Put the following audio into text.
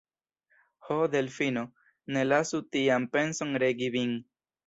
Ho, Delfino, ne lasu tian penson regi vin!